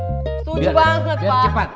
setuju banget pak